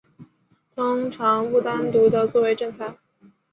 通常不单独地作为正餐。